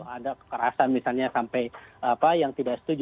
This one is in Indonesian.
ada kekerasan misalnya sampai apa yang tidak setuju